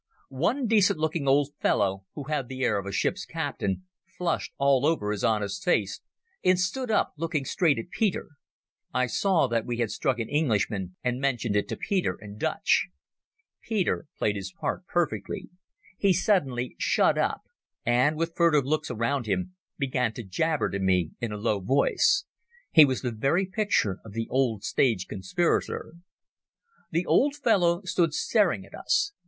One decent looking old fellow, who had the air of a ship's captain, flushed all over his honest face, and stood up looking straight at Peter. I saw that we had struck an Englishman, and mentioned it to Peter in Dutch. Peter played his part perfectly. He suddenly shut up, and, with furtive looks around him, began to jabber to me in a low voice. He was the very picture of the old stage conspirator. The old fellow stood staring at us.